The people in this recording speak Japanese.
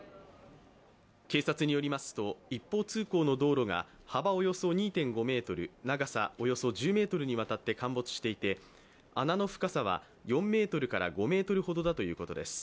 警察によりますと一方通行の道路が幅およそ２．５ｍ、長さおよそ１０ｍに渡って陥没していて、穴の深さは４ｍから５ｍほどだということです。